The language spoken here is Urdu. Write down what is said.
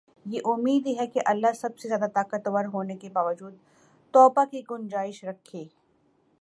یہ امید ہی ہے کہ اللہ سب سے زیادہ طاقتور ہونے کے باوجود توبہ کی گنجائش رکھے